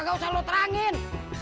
gak usah lu terangin